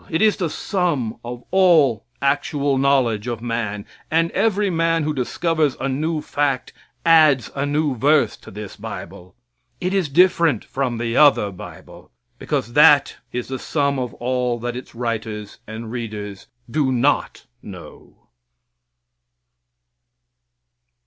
It is the sum of all actual knowledge of man, and every man who discovers a new fact adds a new verse to this bible. It is different from the other bible, because that is the sum of all that its writers and readers do not know.